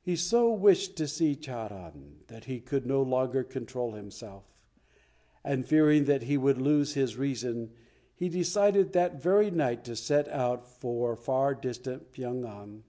He so wished to see Charan that he could no longer control himself, and fearing that he would lose his reason, he decided that very night to set out for far distant Pyong an.